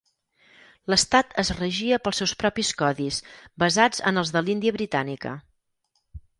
L'estat es regia pels seus propis codis basats en els de l'Índia Britànica.